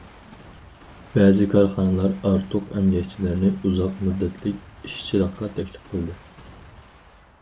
بەزى كارخانىلار ئارتۇق ئەمگەكچىلەرنى ئۇزاق مۇددەتلىك ئىشچىلىققا تەكلىپ قىلدى.